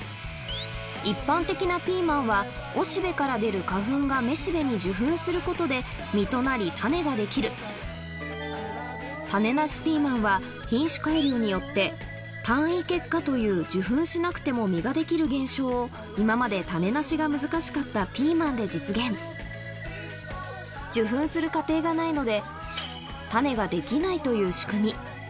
一般的なピーマンはおしべから出る花粉がめしべに受粉することで実となり種ができる種なしピーマンは品種改良によって現象を今まで種なしが難しかったピーマンで実現受粉する過程がないのでという仕組み